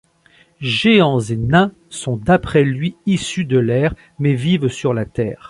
Géants et nains sont d'après lui issus de l'air, mais vivent sur la terre.